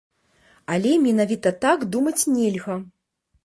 Але менавіта так думаць нельга.